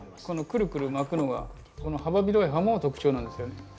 このくるくる巻くのがこの幅広い葉も特徴なんですよね。